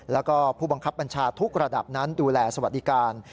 แล้วก็ผู้บังคับบัญชาทุกระดับนั้นดูแลสวัสดิการ